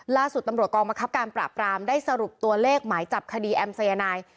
ล่าสุดตำรวจกองบังคับการปราบรามได้สรุปตัวเลขหมายจับคดีแอมสายนาย